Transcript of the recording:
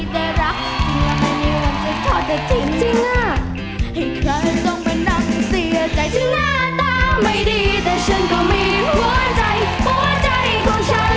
เพราะอย่างจริงกว่างั้น